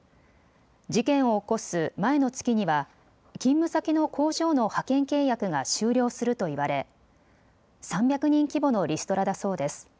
事件を起こす前の月には勤務先の工場の派遣契約が終了すると言われ３００人規模のリストラだそうです。